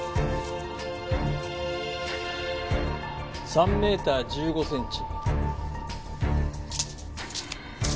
３メーター１５センチ。